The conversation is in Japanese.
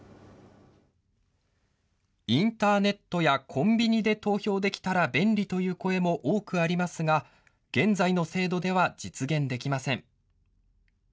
インターネットやコンビニで投票できたら便利という声も多くありますが現在の制度では実現できません。